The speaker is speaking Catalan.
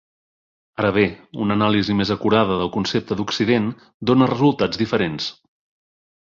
Ara bé, una anàlisi més acurada del concepte d'Occident dóna resultats diferents.